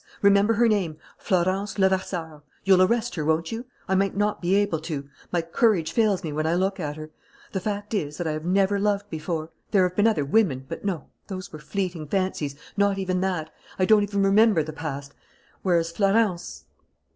Remember her name: Florence Levasseur. You'll arrest her, won't you? I might not be able to. My courage fails me when I look at her. The fact is that I have never loved before. "There have been other women but no, those were fleeting fancies not even that: I don't even remember the past! Whereas Florence